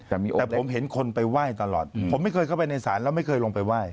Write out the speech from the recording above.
แต่ผมเห็นคนไปไหว้ตลอดผมไม่เคยเข้าไปในศาลแล้วไม่เคยลงไปไหว้